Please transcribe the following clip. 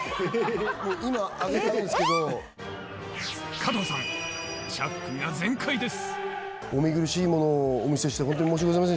加藤さん、チャックが全開です。